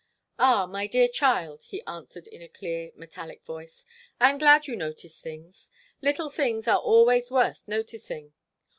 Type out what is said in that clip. "Ah, my dear child," he answered in a clear, metallic voice, "I am glad you notice things. Little things are always worth noticing.